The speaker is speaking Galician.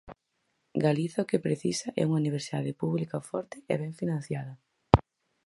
Galiza o que precisa é unha universidade pública forte e ben financiada.